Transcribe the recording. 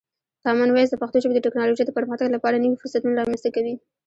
کامن وایس د پښتو ژبې د ټکنالوژۍ د پرمختګ لپاره نوی فرصتونه رامنځته کوي.